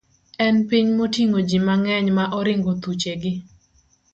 en piny moting'o ji mang'eny ma oringo thuchegi.